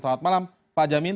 selamat malam pak jamin